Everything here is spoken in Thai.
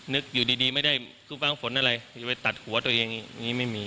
นึกอยู่ดีไม่ได้คุณคุณฝังฝนอะไรไม่ได้ไปตัดหัวตัวเองอย่างนี้ไม่มี